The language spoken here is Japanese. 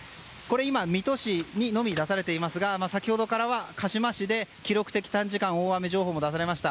水戸市にのみに出されていますが先ほどからは鹿嶋市で記録的短時間大雨情報も出されました。